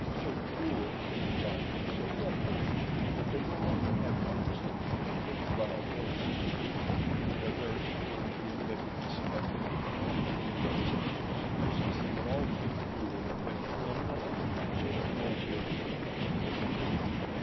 So cruel had they become and so bloodthirsty that they no longer had hearts that beat with love or sympathy; but their very cruelty and wickedness kept them from conquering the other races, since they were also cruel and wicked to one another, so that no Wieroo trusted another.